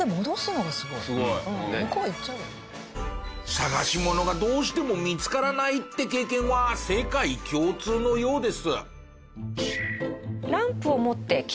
探し物がどうしても見付からないって経験は世界共通のようです。